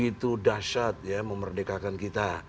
dia begitu dahsyat ya memerdekakan kita